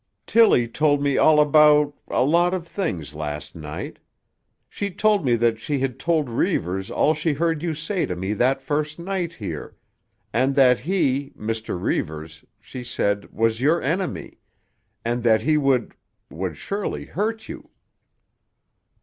"Tilly told me all about—a lot of things last night. She told me that she had told Reivers all she heard you say to me that first night here, and that he—Mr. Reivers, she said, was your enemy, and that he would—would surely hurt you."